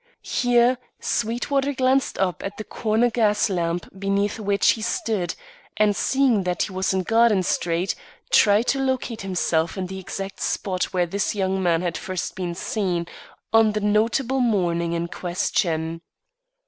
Here, Sweetwater glanced up at the corner gas lamp beneath which he stood, and seeing that he was in Garden Street, tried to locate himself in the exact spot where this young man had first been seen on the notable morning in question.